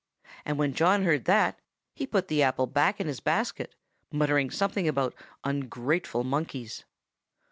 And when John heard that he put the apple back in his basket, muttering something about ungrateful monkeys.